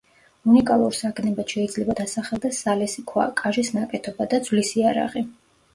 უნიკალურ საგნებად შეიძლება დასახელდეს სალესი ქვა, კაჟის ნაკეთობა და ძვლის იარაღი.